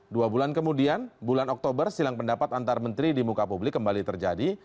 dua bulan kemudian bulan oktober silang pendapat antar menteri di muka publik kembali terjadi